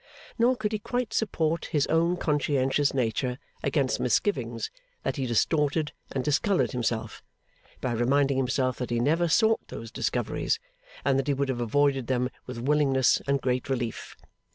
Nor could he quite support his own conscientious nature against misgivings that he distorted and discoloured himself, by reminding himself that he never sought those discoveries, and that he would have avoided them with willingness and great relief.